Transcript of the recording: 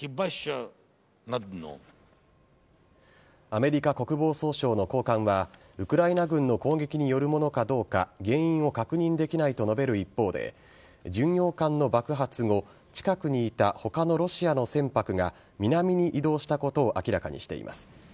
アメリカ国防総省の高官はウクライナ軍の攻撃によるものかどうか原因を確認できないと述べる一方で巡洋艦の爆発後近くにいた他のロシアの船舶が南に移動したことを明らかにしています。